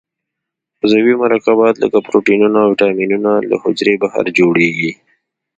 عضوي مرکبات لکه پروټینونه او وېټامینونه له حجرې بهر جوړیږي.